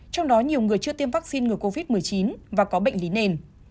trong đó nhiều người chưa tiêm vaccine ngừa covid một mươi chín và có bệnh lý nền